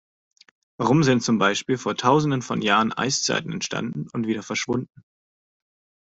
Warum sind zum Beispiel vor Tausenden von Jahren Eiszeiten entstanden und wieder verschwunden?